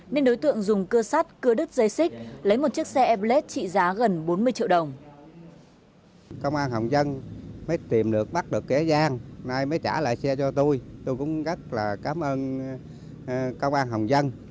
nên đối tượng dùng cơ sắt cưa đứt dây xích lấy một chiếc xe airblade trị giá gần bốn mươi triệu đồng